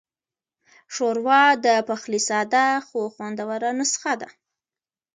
ښوروا د پخلي ساده خو خوندوره نسخه ده.